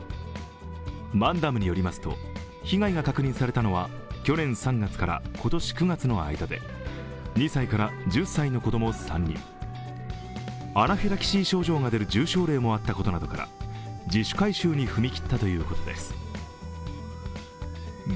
マンダムによりますと、被害が確認されたのは去年３月から今年９月の間で２歳から１０歳の子供３人、アナフィラキシー症状が出る重症例もあったことから自主回収に踏み切ったということです。